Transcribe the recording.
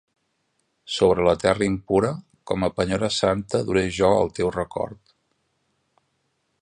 Sobre la terra impura, com a penyora santa duré jo el teu record.